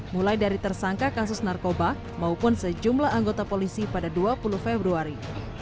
mulai dari tersangka kasus narkoba maupun sejumlah anggota polisi pada dua puluh februari